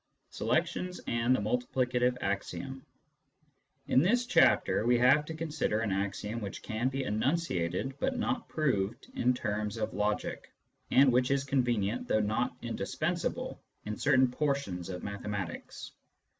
CHAPTER XII SELECTIONS AND THE MULTIPLICATIVE AXIOM In this chapter we have to consider an axiom which can be enunciated, but not proved, in terms of logic, and which is con venient, though not indispensable, in certain portions of mathe matics.